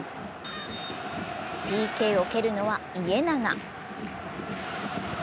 ＰＫを蹴るのは家長。